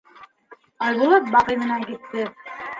Айбулат Баҡый менән китте.